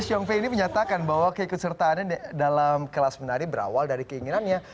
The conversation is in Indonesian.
xiong fi ini menyatakan bahwa keikutsertaan dalam kelas menari berawal dari keinginannya